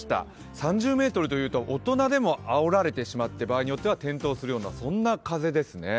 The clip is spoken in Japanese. ３０メートルというと大人でもあおられてしまって場合によっては転倒するようなそんな風ですね。